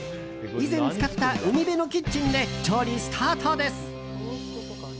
以前使った海辺のキッチンで調理スタートです。